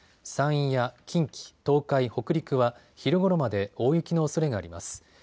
山陰や近畿、東海、北陸は昼ごろまで大雪のおそれがあります。